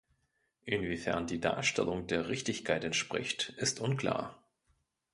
Inwiefern die Darstellung der Richtigkeit entspricht, ist unklar.